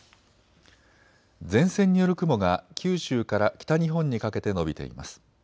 前線による雲が九州から北日本にかけて延びています。